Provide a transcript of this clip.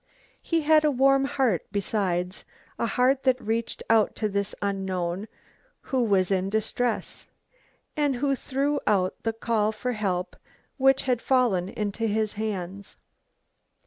He had a warm heart besides, a heart that reached out to this unknown who was in distress, and who threw out the call for help which had fallen into his hands.